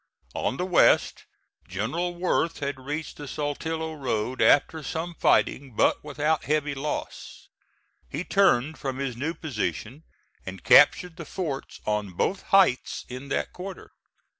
On the west General Worth had reached the Saltillo road after some fighting but without heavy loss. He turned from his new position and captured the forts on both heights in that quarter.